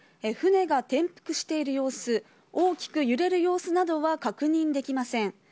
船が転覆している様子、大きく揺れる様子などは確認できません。